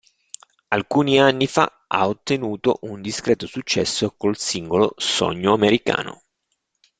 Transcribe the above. Alcuni anni fa ha ottenuto un discreto successo col singolo "Sogno americano".